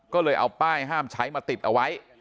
ก็เลยเอาป้ายห้ามใช้มาติดเอาไว้